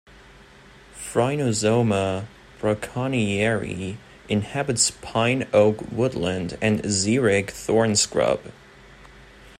"Phrynosoma braconnieri" inhabits pine-oak woodland and xeric thorn-scrub.